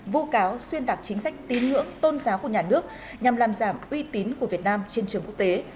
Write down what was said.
vô cáo xuyên tạc chính sách tín ngưỡng tôn giáo của nhà nước nhằm làm giảm uy tín của việt nam trên trường quốc tế